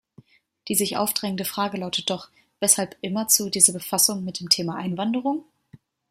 Die sich aufdrängende Frage lautet doch, weshalb immerzu diese Befassung mit dem Thema Einwanderung?